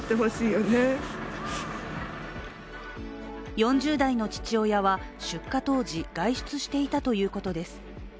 ４０代の父親は出火当時外出していたということです。